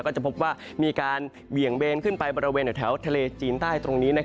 ก็จะพบว่ามีการเบี่ยงเบนขึ้นไปบริเวณแถวทะเลจีนใต้ตรงนี้